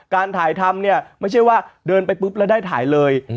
การถ่ายทำเนี่ยไม่ใช่ว่าเดินไปปุ๊บแล้วได้ถ่ายเลย